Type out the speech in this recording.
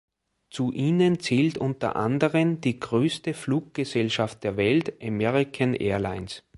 Zu ihnen zählt unter anderen die größte Fluggesellschaft der Welt, American Airlines.